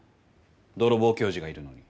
泥棒教授がいるのに。